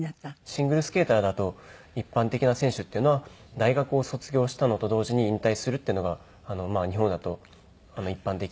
シングルスケーターだと一般的な選手っていうのは大学を卒業したのと同時に引退するっていうのがまあ日本だと一般的なので。